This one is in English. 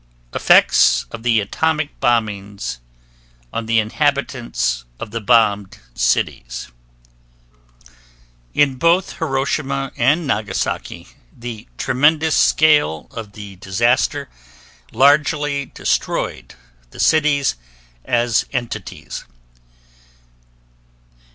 EFFECTS OF THE ATOMIC BOMBINGS ON THE INHABITANTS OF THE BOMBED CITIES In both Hiroshima and Nagasaki the tremendous scale of the disaster largely destroyed the cities as entities.